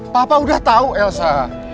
papa udah tahu elsa